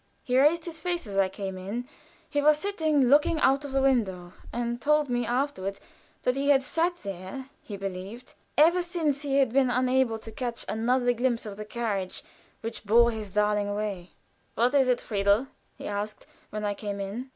He raised his face as I came in; he was sitting looking out of the window, and told me afterward that he had sat there, he believed, ever since he had been unable to catch another glimpse of the carriage which bore his darling away from him. "What is it, Friedel?" he asked, when I came in.